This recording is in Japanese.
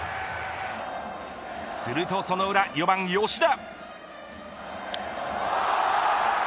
するとその裏、４番吉田。